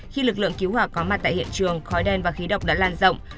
khi lực lượng cứu hỏa có mặt tại hiện trường khói đen và khí độc đã lan rộng